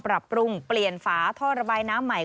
ปรับปรุงเปลี่ยนฝาท่อระบายน้ำใหม่